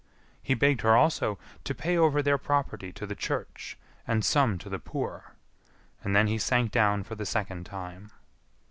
He begged her also to pay over their property to the Church and some to the poor; and then he sank down for the second time.